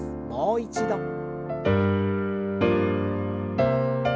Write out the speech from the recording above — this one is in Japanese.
もう一度。